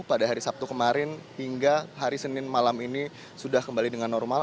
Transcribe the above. pada hari sabtu kemarin hingga hari senin malam ini sudah kembali dengan normal